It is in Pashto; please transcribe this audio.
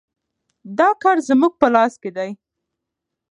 دا کار زموږ په لاس کې دی.